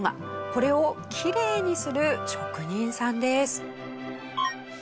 これをきれいにする職人さんです。